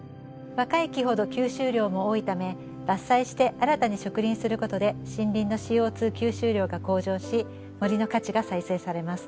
若い木ほど吸収量も多いため伐採して新たに植林することで森林のＣＯ吸収量が向上し森の価値が再生されます。